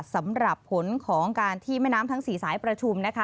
สำหรับผลของการที่แม่น้ำทั้ง๔สายประชุมนะคะ